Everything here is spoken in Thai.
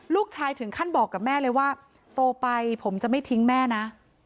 ลูกชายถึงขั้นบอกกับแม่เลยว่าโตไปผมจะไม่ทิ้งแม่นะ